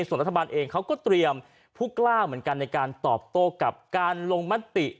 ส่วนรัฐบาลเองเขาก็เตรียมผู้กล้าเหมือนกันในการตอบโต้กับการลงมติ